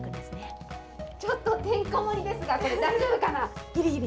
ちょっとてんこ盛りですが、大丈夫かな。